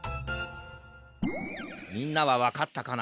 みんなはわかったかな？